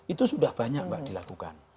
itu sudah banyak mbak dilakukan